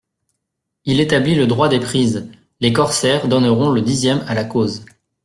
Il établit le droit des prises ; les corsaires donneront le dixième à la cause.